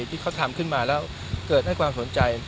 ที่เขาทำขึ้นมาแล้วเกิดให้ความสนใจ